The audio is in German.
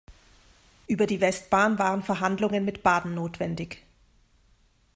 Über die Westbahn waren Verhandlungen mit Baden notwendig.